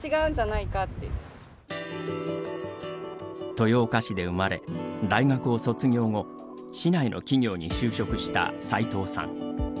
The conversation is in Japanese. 豊岡市で生まれ、大学を卒業後市内の企業に就職した、齊藤さん。